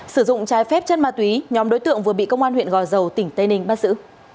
sử dụng trái phép chân ma túy nhóm đối tượng vừa bị công an huyện gò dầu tỉnh tây ninh bắt giữ